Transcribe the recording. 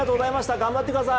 頑張ってください！